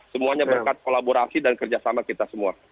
semuanya berkat kolaborasi dan kerjasama kita semua